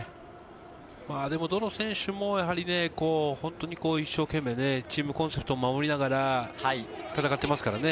でもどの選手も、一生懸命チームコンセプトを守りながら戦っていますからね。